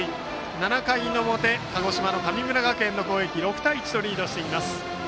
７回表、鹿児島の神村学園の攻撃６対１とリードしています。